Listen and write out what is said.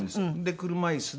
車椅子で。